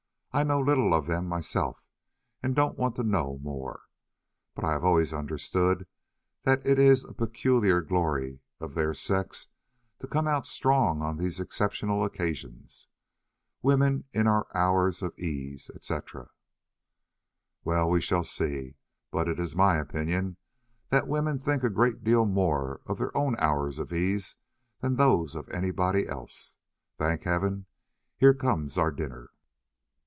I know little of them myself and don't want to know more. But I have always understood that it is the peculiar glory of their sex to come out strong on these exceptional occasions. 'Woman in our hours of ease,' etc." "Well, we shall see. But it is my opinion that women think a great deal more of their own hours of ease than of those of anybody else. Thank heaven, here comes our dinner!"